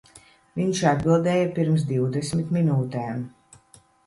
Viņš atbildēja pirms divdesmit minūtēm.